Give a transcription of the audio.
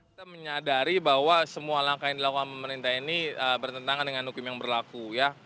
kita menyadari bahwa semua langkah yang dilakukan pemerintah ini bertentangan dengan hukum yang berlaku ya